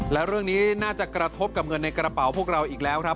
แล้วเรื่องนี้น่าจะกระทบกับเงินในกระเป๋าพวกเราอีกแล้วครับ